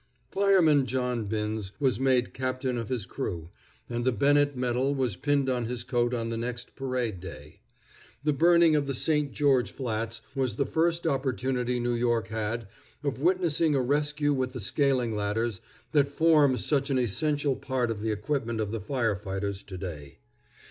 Fireman John Binns was made captain of his crew, and the Bennett medal was pinned on his coat on the next parade day. The burning of the St. George Flats was the first opportunity New York had of witnessing a rescue with the scaling ladders that form such an essential part of the equipment of the fire fighters to day.